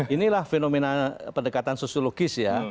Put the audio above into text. inilah fenomena pendekatan sosiologis ya